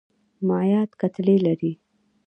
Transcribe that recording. مایعات کتلې لري.